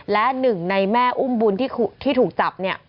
และหนึ่งในแม่อุ้มบุญที่ถูกจับเนี่ย